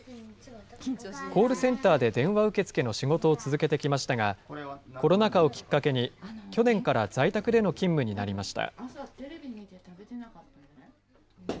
コールセンターで電話受付の仕事を続けてきましたが、コロナ禍をきっかけに、去年から在宅での勤務になりました。